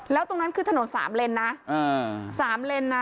แล้วตรงนั้นคือถนนสามเลนนะ๓เลนนะ